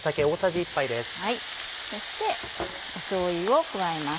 そしてしょうゆを加えます。